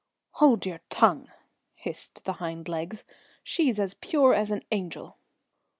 "Hold your tongue!" hissed the hind legs. "She's as pure as an angel."